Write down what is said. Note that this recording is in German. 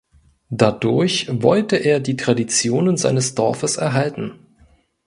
Dadurch wollte er die Traditionen seines Dorfes erhalten.